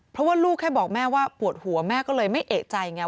เพราะว่าลูกแค่บอกแม่ว่าปวดหัวแม่ก็เลยไม่เอกใจไง